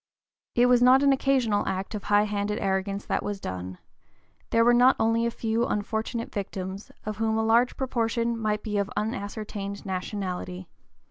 It was not an occasional act of high handed arrogance that was done; there were not only a few unfortunate victims, of whom a large proportion might be of unascertained nationality.